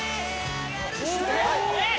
えっ！